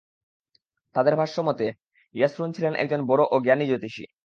তাদের ভাষ্য মতে, ইয়াসরূন ছিলেন একজন বড় ও জ্ঞানী জ্যোতিষী।